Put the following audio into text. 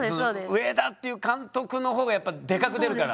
上田っていう監督の方がやっぱでかく出るから。